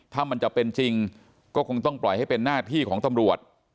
ถ้ามันจะเป็นจริงก็คงต้องปล่อยให้เป็นหน้าที่ของตำรวจ